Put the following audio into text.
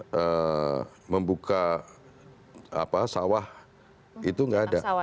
kemudian membuka sawah itu gak ada